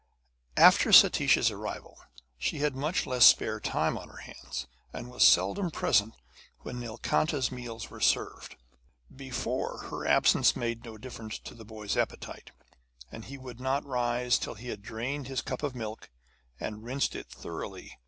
After Satish's arrival she had much less spare time on her hands, and was seldom present when Nilkanta's meals were served. Before, her absence made no difference to the boy's appetite, and he would not rise till he had drained his cup of milk, and rinsed it thoroughly with water.